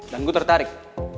dan gue tertarik